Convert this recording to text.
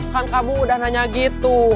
kan kamu udah nanya gitu